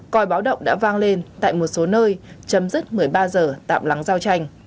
coi báo động đã vang lên tại một số nơi chấm dứt một mươi ba giờ tạm lắng giao tranh